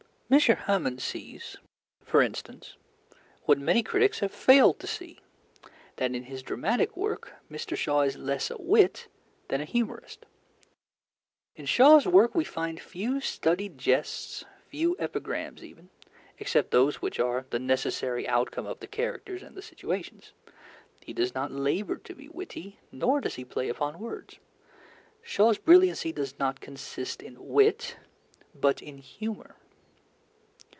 M. Hamon sees, for instance, what many critics have failed to see, that in his dramatic work Mr. Shaw is less a wit than a humorist: In Shaw's work we find few studied jests, few epigrams even, except those which are the necessary outcome of the characters and the situations. He does not labour to be witty, nor does he play upon words.... Shaw's brilliancy does not consist in wit, but in humour.